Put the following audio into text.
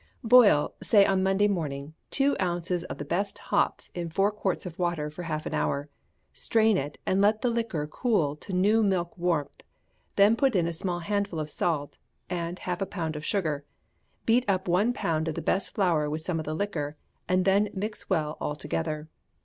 Boil, say on Monday morning, two ounces of the best hops in four quarts of water for half an hour; strain it, and let the liquor cool to new milk warmth; then put in a small handful of salt, and half a pound of sugar; beat up one pound of the best flour with some of the liquor, and then mix well all together.